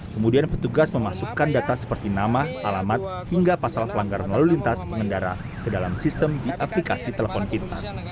kemudian petugas memasukkan data seperti nama alamat hingga pasal pelanggaran lalu lintas pengendara ke dalam sistem di aplikasi telepon pintar